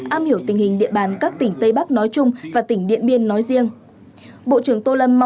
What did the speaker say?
am hiểu tình hình địa bàn các tỉnh tây bắc nói chung và tỉnh điện biên nói riêng